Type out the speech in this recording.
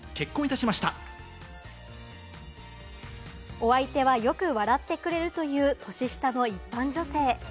お相手は、よく笑ってくれるという年下の一般女性。